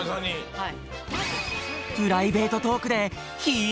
はい。